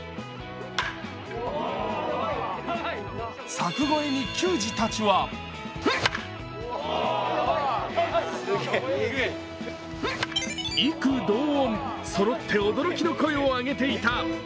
柵越えに球児たちは異口同音、そろって驚きの声を上げていた。